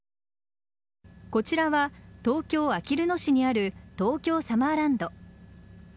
こちらは東京・あきる野市にある東京サマーランド。